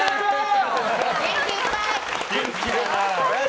元気いっぱい。